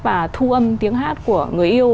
và thu âm tiếng hát của người yêu